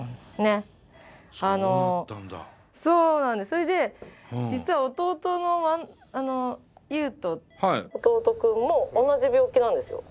それで実は弟のユウト弟君も同じ病気なんですよ。